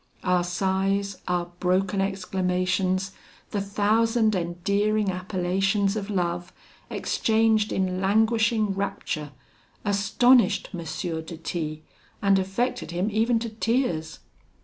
Our sighs, our broken exclamations, the thousand endearing appellations of love, exchanged in languishing rapture, astonished M. de T , and affected him even to tears.